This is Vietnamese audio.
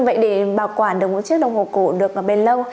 vậy để bảo quản được một chiếc đồng hồ cổ được bên lâu